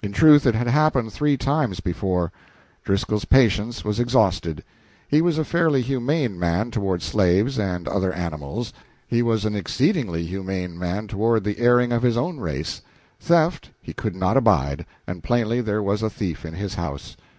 In truth it had happened three times before. Driscoll's patience was exhausted. He was a fairly humane man toward slaves and other animals; he was an exceedingly humane man toward the erring of his own race. Theft he could not abide, and plainly there was a thief in his house.